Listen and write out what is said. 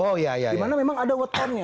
oh iya iya dimana memang ada watonnya